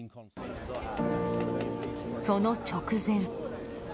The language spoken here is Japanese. その直前。